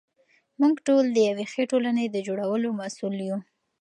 موږ ټول د یوې ښې ټولنې د جوړولو مسوول یو.